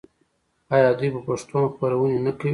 آیا دوی په پښتو هم خپرونې نه کوي؟